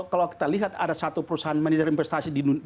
kita lihat ada satu perusahaan manajer investasi